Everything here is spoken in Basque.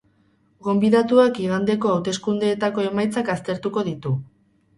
Gonbidatuak igandeko hauteskundeetako emaitzak aztertuko ditu.